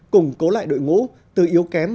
cùng cố lại đội ngũ từ yếu kém